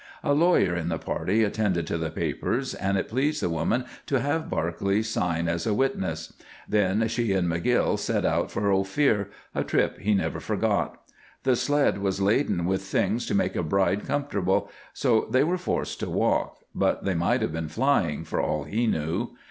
A lawyer in the party attended to the papers, and it pleased the woman to have Barclay sign as a witness. Then she and McGill set out for Ophir, a trip he never forgot. The sled was laden with things to make a bride comfortable, so they were forced to walk, but they might have been flying, for all he knew.